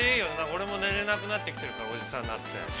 俺も寝れなくなってきてるからおじさんになって。